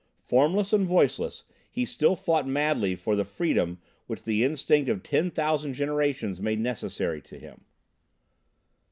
Formless and voiceless, he still fought madly for the freedom which the instinct of ten thousand generations made necessary to him.